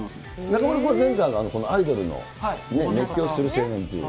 中丸君は前回はこのアイドルに熱狂する青年という。